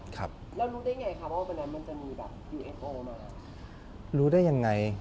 ครับแล้วรู้ได้อย่างไงครับว่า